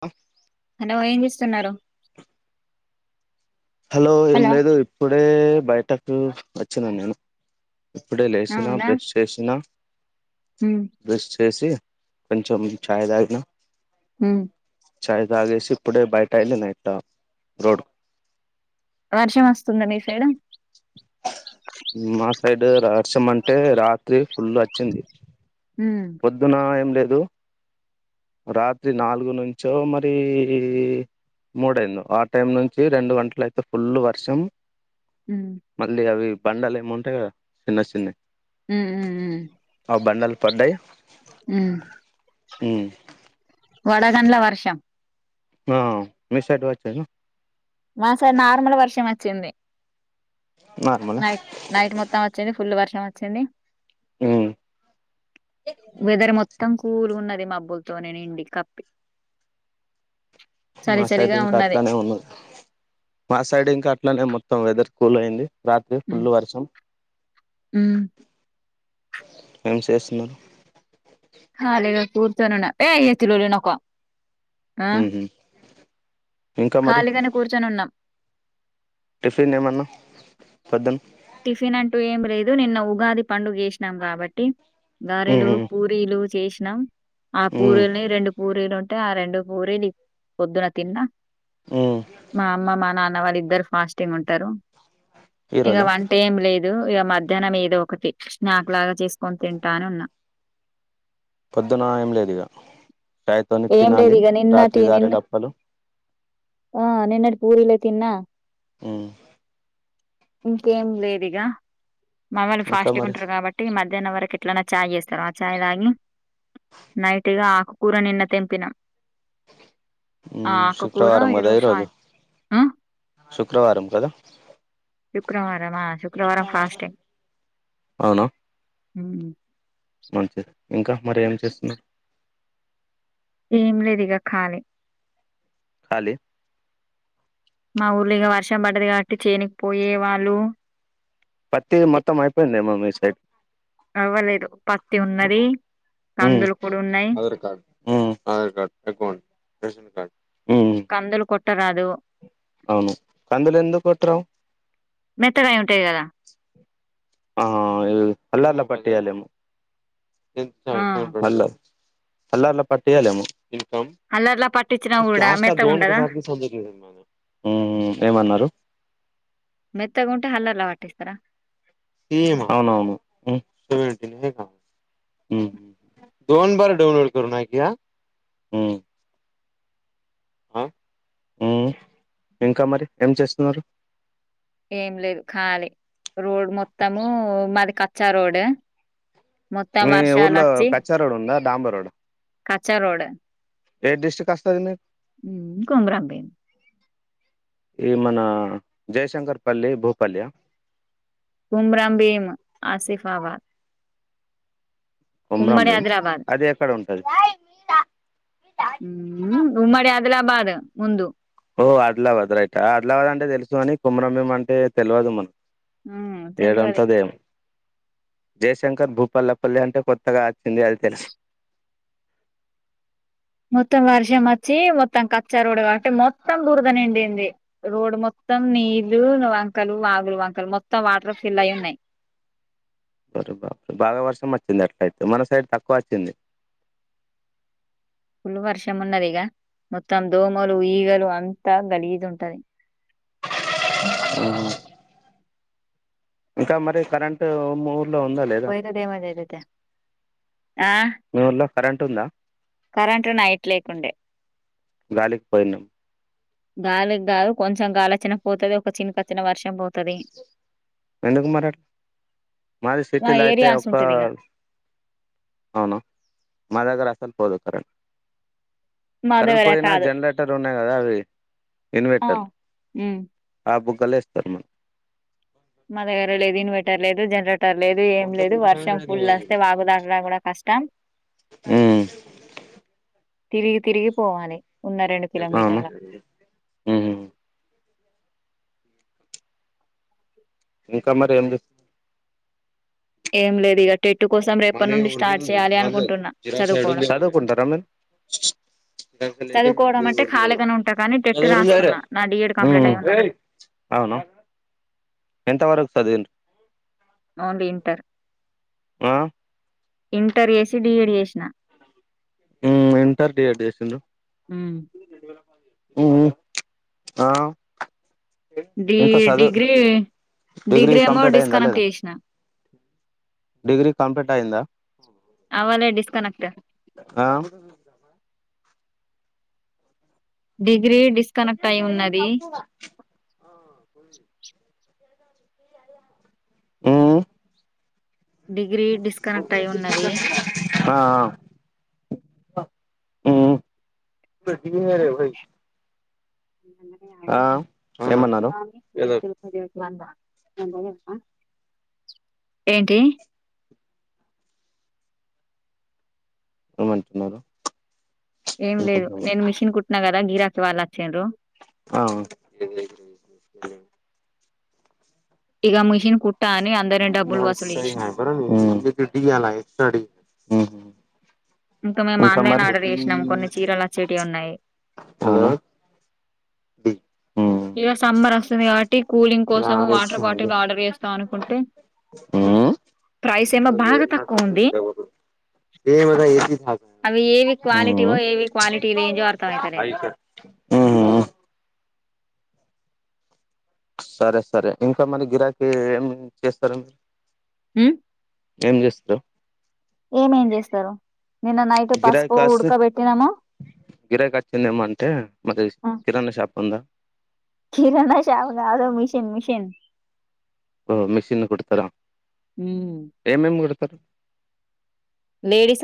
ఆ అన్న వా ఏం చేస్తున్నారు హలో ఏం లేదు ఇప్పుడే బయటకు వచ్చినా నేను ఇప్పుడే లేసినా అవునా బ్రష్ చేసినా ఉమ్ బ్రెష్ చేసి కొంచెం చాయ్ దాగినా హ్మ్ చాయ్ తాగేసి ఇప్పుడే బయట ఎల్లిన ఇట్టా రోడ్ వర్షం వస్తుందా మీ సైడు మా సైడు రార్సం అంటే రాత్రి ఫుల్ వచ్చింది ఉమ్ పొద్దు నా ఏం లే దు రాత్రి నాలుగు నుంచో మరి మూడైందో ఆ టైం నుంచి రెండు గంటలు అయితే ఫుల్ వర్షం మళ్ళీ అవి బండలు ఏమొ ఉంటాయి కదా చిన్న చిన్నవి ఉమ్ ఉమ్ ఉమ్ అ బండల్ పడ్డాయ్ ఉమ్. హ్మ్ వడగండ్ల వర్షం ఆ మీ సైడ్ వచ్చెనా మా సై నార్మల్ వర్షం వచ్చింది నార్మల్ నైట్ నైట్ మొత్తం వచ్చింది ఫుల్ వర్ష వచ్చింది హ్మ్ వెదర్ మొత్తం కూల్గు ఉన్నది మబ్బులతోని నిండి కప్పి చలి మా సైడ్ చలిగా ఇంకా ఉన్నది అట్లనే ఉన్న మా సైడు ఇంకా ఆట్లానే మొ మొత్తం వెదర్ కూల్ అయింది రాత్రి ఉమ్ ఫుల్ వర్షం ఉమ్ ఏం సేసున్నరు హ లేదు కూర్చోనున్నా హ్మ్ హు ఖాళీగానే కూర్చొనున్నాం టిఫిన్ ఏమన్నా పద్దు టిఫిన్ అంటూ ఏం లేదు నిన్న ఉగాది పండుగ చేసినాం కాబట్టి గారెలు ఉహు పూరీలు చేసినాం ఆ ఉమ్ పూరీల్ని రెండు పూరీలు ఉ టే ఆ రెండు పూరీలి పొద్దున తిన్నా ఉమ్ మా అమ్మ మా నా వాళ్ళు ఇద్దరు ఫాస్టింగ్ ఉంటారు. ఈ ఇగ రోజు వంటేం లేదు ఇక మధ్యాహ్నం ఏదో ఒకటి స్నాక్ లాగా చేసుకొని తింటాను ఉన్నా. పొద్దున ఏ లేదు ఇక చాయ్ తోని ఏం లేదు తినాలి ఇగ రాత్రి నిన్నటి నిన్న గారెలుప్పలు. ఆ నిన్నటి పురిలే తిన్నా. ఉ ఇంకేం లేదిగా మామ్ వాళ్ళు ఇంకా ఫాస్ట్గా మరి ఉంటారు కాబట్టి మ తిన్న వరకు ఇట్లనే చాయ్ చేస్తారు. ఆ చాయ తాగి నైట్గా ఆకు కూర నిన్న తెంపిన ఆకుకూర శుక్రవారం కదా, ఈ ఈరోజు రోజు సాయం ఆ! శుక్రవారం కదా. శుక్రవారం మా శుక్రవారం ఫాస్టింగ్ అవునా ఉ ఉ మంచిది ఇంకా మరి ఏం చేస్తున్నారు. ఏం లేదు ఇక ఖాళీ. కాళీ మా ఊళ్లేగా వర్షం పడ్డది. కాబట్టి చేనికపోయే వాళ్ళు. మ స [unintelligible] అవ్వలేదు పత్తి ఉన్నది హు కందులు కూడా ఉన్నాయి ఆధార్ కార్డు, హు Aadhaar card, account ration card కందులు కొట్టరాదు అవును కందులు ఎందు పెటరావు మెత్తగాయి ఉంటాయి కదా ఆ అలలా పట్టాలిమ ఎ ఆ ఫోల్ [unintelligible] అల్ ల పట్టియిలేము అల్లర్లా పట్టించినా ఊడ మేత్త ఉండదా. ఉ ఉ ఏమన్నారు మెత్తగా ఉంటే హల్ల్లో వాటిస్తారా ఈయమ్మ అవునావు ఉ స దోన్ బార్ డౌన్లోడ్న్నాకయా ఉ ఆ ఉ ఇంకా మరి ఏం చేస్తున్నారు. ఏం లేదు ఖాళీ రోడ్ మొత్తము మాది కచ్చా రోడ్. మొత్తం మీ వర్షాలు ఊర్లో కచ్చా రోడ్ ఉందా. డాంబోరోడ్ కాచ్చా రోడ్ ఏ డిస్ట్రిక్ట్ వస్తాది నీది కొమ్రబిన్ ఈ మన జయశంకర్పల్లి భూపల్లి ఆ కుమరాంబీమ్ ఆసిఫాబాద్ కొమరం ఉమ్మడి భీం ఆదిలాబాద్ అది ఎక్కడ ఉంటది ఉమ్మడి ఆదిలాబాద్ ముందు ఓ ఆదిలాబాద్ రైట్ ఆదిలాబాద్ అంటే తెలుసుకానీ కొమురంభీం అంటే తెలవదు మన్ హ్ తెల్వది జయశంకర్ భూపల్పల్లి అంటే కొత్తగా అచ్చింది. అది తెలుసు మొత్తం. వర్షం ఆచ్చి మొత్తం కచ్చా రోడ్ కాబట్టి మొత్తం. బూరద నిండింది రోడ్ మొత్తం నీళ్లు వంకలు వాగులు వంకలు మొత్తం వాటర్ ఫిల్ అయి ఉన్నాయి. ఒరే బపూరే బాగా వర్షం ఆచ్చింది. అట్ల అయితే మన సైడ్ తక్కువ ఆచ్చింది. పుల్లు వర్షం ఉన్నదిగా మొత్తం దోమలు ఈగలు అంతా గలిజు ఉంటాది హ్ ఇంకా మరి కరెంటు మే పోయితే దేమరి అది అయితే ఆ మీ ఊర్లో కరెంట్ ఉందా కరెంటు నైట్ లేకుండే గాలికి పోయినాం గాలికి కాదు కొంచెం గాలి వోచ్చిన పోతది ఒక చిన్కచ్చిన వర్షం పోతది ఎందుకు మరి అట్లా మాది మా సిటీల అయితే ఏరియాస్ ఒక ఉంటది ఇగ అవున మా దగ్గర ఆ సల్ పోదు కరెంట్ మా కరెంట్ దగ్గర పోయినా కాదు జనరేటర్ ఉన్నాయి. కదా అవి ఆ ఇన్వెటర్ ఉమ్ ఆ బు కలేస్తామ మ దగ్గర లేదు ఇన్వాట్ టర్ లేదు టర్ లేదు ఏం లేదు వర్షం ఫుల్లు వస్తే వాగుదాటుడా కూడా కష్టం హ్మ్ తిరిగి తిరిగి పోవాలి ఉన్న రెండు [unintelligible] న్నా కిలోమీటర్ల మ్ ఇంకా మరి ఏం చేస్త ఏం లేదు ఇక టెట్టు కోసం రేపటి నుండి స్టార్ట్ చేయాలి అనుకుంటున్నా చదువుకోవడం చదువుకుంటారా మీరు చదువుకోవడం అంటే ఖాళీగానే ఉంటా కానీ టెట్ రాస్తున్నా నా డిఎడ్ కంప్లీట్ అయి ఉన్నది అవునా ఎంత వరకు చదివిర్రూ అవును ఇంటర్ ఆ ఇంటర్ చేసి డి ఎడ్ చేసిన ఇంటర్ డి ఎడ్ చేసిర్రు ఉమ్. హ్మ్ ఆ డి ఇంకా చదువు డిగ్రీ డిగ్రీ ఏమో కంప్లీట్ అయిందా డిస్కనెక్ట్ లేదా చేసినా డిగ్రీ కంప్లీట్ అయిందా అవ్వాలే డిస్కనెక్ట్ ఆ డి గ్రీ డిస్కనెక్ట్ అయి ఉన్నది హ్ డిగ్రీ డిస్కనెక్ట్ అయి ఉన్నది ఆ ఆ [unintelligible] ఆ [unintelligible] ఏమన్నారు ఏదో ఏంటి ఏమంటున్నారు ఏం ఇంకా లేదు నేను మిషిన్ కుట్టినా కదా గీరాకి వాళ్ళు వచ్చింద్రు అవు టిగా మెషిన్ కుట్ [unintelligible] ఇంకా మేము ఆన్లైన్ నాకు ఆర్డర్ డి చేసినాం కొన్ని చీరలు వచ్చేటియి ఉన్నాయి బ ఇక సమ్మర్ వస్తుంది కాబట్టి కూలింగ్ ఆ కోసం వాటర్ బాటిల్ ఆర్డర్ చేస్తాం అనుకుంటే ప్రైస్ ఏమో బాగా తక్కువ ఉంది ఏమదా ఏసి అవి ఏవి ఉమ్ క్వాలిటీవో ఏవి క్వాలిటీ లేనివో అర్థం అవుతలేదు సరే సరే ఇంకా మన గిరాకి ఏం చేస్తారూ హమ్ ఏం చేస్తారు ఎం ఏమేం చేస్తారు నిన్న నైట్ గిరాయి పసుపు కాస్ట్ ఉడకబెట్టినాము గిరాయి కాచిందేమో అంటే మరి కిరాణా షాప్ ఉందా కిరాణా షాప్ కాదు మిషన్ మిషన్ ఓ మెషిన్ కుడతారా ఉ తర్ [unintelligible] లేడీస్